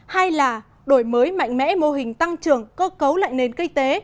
hai là đổi mới mạnh mẽ mô hình tăng trưởng cơ cấu lại nền kinh tế